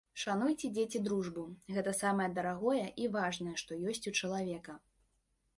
Шануйце, дзеці, дружбу, гэта самае дарагое і важнае, што ёсць у чалавека.